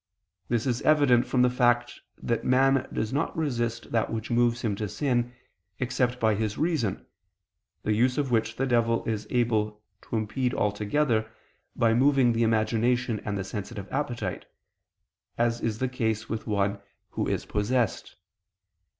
This is evident from the fact that man does not resist that which moves him to sin, except by his reason; the use of which the devil is able to impede altogether, by moving the imagination and the sensitive appetite; as is the case with one who is possessed.